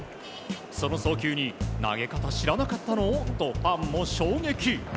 その送球に投げ方知らなかったの？とファンも衝撃。